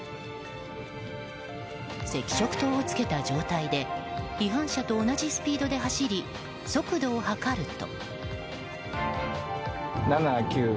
赤色灯をつけた状態で違反車と同じスピードで走り速度を測ると。